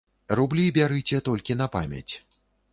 Рублі бярыце толькі на памяць.